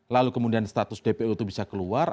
lalu kemudian status dpo itu bisa keluar